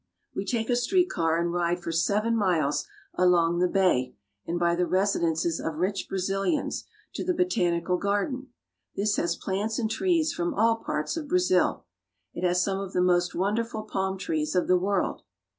We take a street car and ride for seven miles along the bay and by the residences of rich Brazilians to the BotanicalGar den. This has plants and trees from all parts of Brazil. It has some of the most wonderful palm trees of the world.